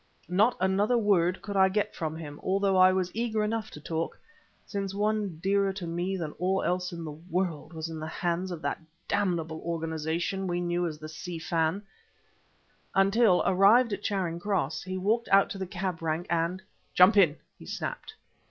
Not another word could I get from him, although I was eager enough to talk; since one dearer to me than all else in the world was in the hands of the damnable organization we knew as the Si Fan; until, arrived at Charing Cross, he walked out to the cab rank, and "Jump in!" he snapped.